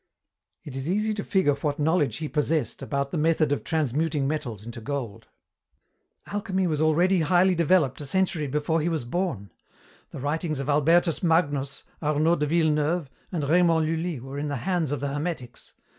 It is easy to figure what knowledge he possessed about the method of transmuting metals into gold. "Alchemy was already highly developed a century before he was born. The writings of Albertus Magnus, Arnaud de Villeneuve, and Raymond Lully were in the hands of the hermetics.